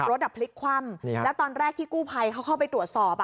พลิกคว่ำแล้วตอนแรกที่กู้ภัยเขาเข้าไปตรวจสอบ